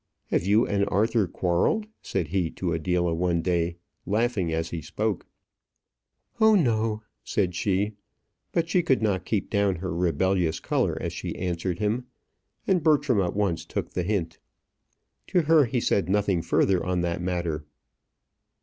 "Have you and Arthur quarrelled?" said he to Adela one day, laughing as he spoke. "Oh, no," said she; but she could not keep down her rebellious colour as she answered him, and Bertram at once took the hint. To her he said nothing further on that matter.